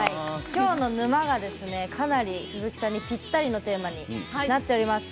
今日の沼はかなり鈴木さんにぴったりのテーマになっております。